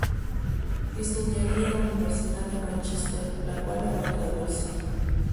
Estudiaría en la universidad de Mánchester, la cual abandonó sin graduarse.